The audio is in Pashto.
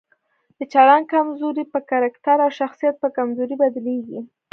د چلند کمزوري په کرکټر او شخصیت په کمزورۍ بدليږي.